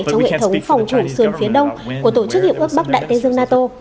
trong hệ thống phòng chủ sườn phía đông của tổ chức hiệp ước bắc đại tây dương nato